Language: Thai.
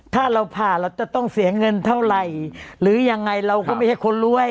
ถ้าเราผ่าเราจะต้องเสียเงินเท่าไหร่หรือยังไงเราก็ไม่ใช่คนรวย